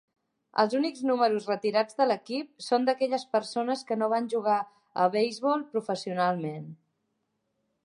Els únics números retirats de l'equip són d'aquelles persones que no van jugar a beisbol professionalment.